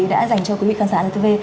đã dành cho quý vị khán giả ltv